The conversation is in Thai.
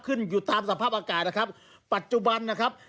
ขึ้นอยู่ตามสภาพอากาศนะครับปัจจุบันนะครับ